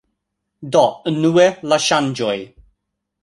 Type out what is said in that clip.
Do, unue la ŝanĝoj